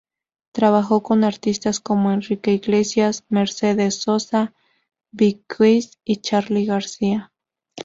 Trabajó con artistas como Enrique Iglesias, Mercedes Sosa, Bee Gees y Charly García.